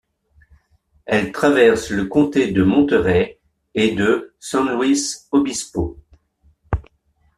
Elle traverse le comté de Monterey, et de San Luis Obispo.